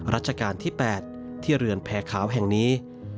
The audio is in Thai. ราชการที่๘ที่เรือนแผ่ขาวแห่งนี้